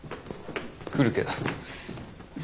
来るけど。